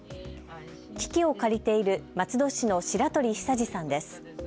機器を借りている松戸市の白鳥ひさじさんです。